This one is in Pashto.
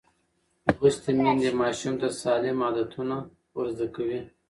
لوستې میندې ماشوم ته سالم عادتونه ورزده کوي.